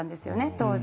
当時。